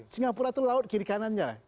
singapura itu laut kiri kanannya